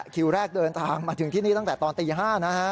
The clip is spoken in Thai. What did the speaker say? คิวแรกเดินทางมาถึงที่นี่ตั้งแต่ตอนตี๕นะฮะ